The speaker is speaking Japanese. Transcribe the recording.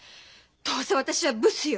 どうせ私はブスよ。